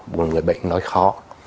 một người bệnh nói khó